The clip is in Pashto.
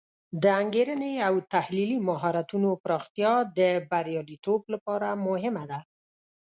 د انګیرنې او تحلیلي مهارتونو پراختیا د بریالیتوب لپاره مهمه ده.